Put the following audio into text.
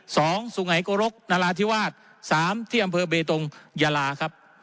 สุไงโกรกนราธิวาสสามที่อำเภอเบตงยาลาครับ